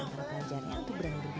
yang berani berbicara dalam bahasa inggris